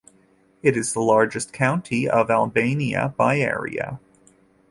It is the largest county of Albania by area.